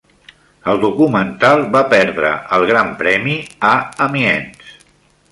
El documental va perdre el Gran Premi a Amiens.